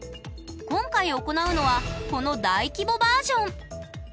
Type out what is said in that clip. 今回行うのはこの大規模バージョン！